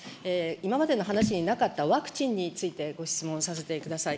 今までの話になかったワクチンについてご質問させてください。